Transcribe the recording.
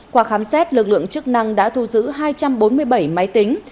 qua khám xét lực lượng chức năng đã thu giữ hai trăm bốn mươi bảy máy tính